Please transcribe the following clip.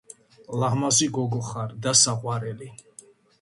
ლამაზი გოგო ხარ და საყვარელი